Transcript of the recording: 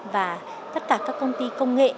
và tất cả các công ty công nghệ